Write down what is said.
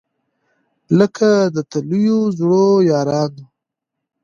لکه د تللیو زړو یارانو